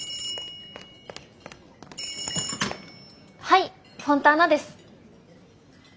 ☎はいフォンターナです。